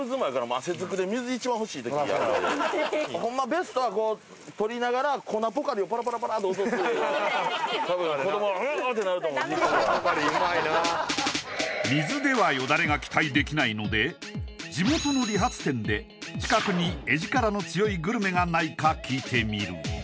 ベストはこう撮りながらと落とす画がポカリうまいな水ではよだれが期待できないので地元の理髪店で近くにエヂカラの強いグルメがないか聞いてみる